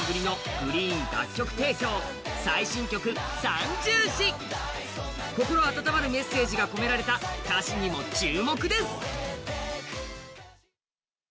そして心温まるメッセージが込められた歌詞にも注目です。